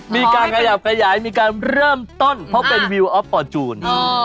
มีการขยายมาขยายมีการเริ่มต้นเพราะวิวพนสตร์